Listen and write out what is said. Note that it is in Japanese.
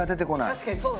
確かにそうだ！